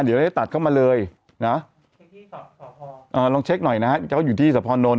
เดี๋ยวได้ตัดเข้ามาเลยนะลองเช็คหน่อยนะฮะเขาอยู่ที่สะพอนนท